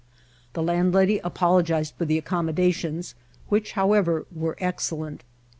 The landlady apologized for the accommodations which, how ever, were excellent.